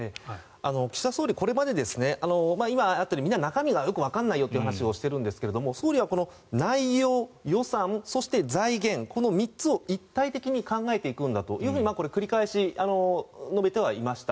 岸田総理、これまで今あったようにみんな、中身がよくわからないよという話をしていますが総理は内容、予算、そして財源この３つを一体的に考えていくんだとこれ、繰り返し述べてはいました。